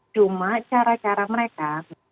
cuma cara cara mereka